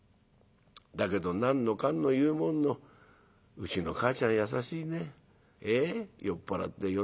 だけど何のかんの言うもんのうちのかあちゃん優しいね。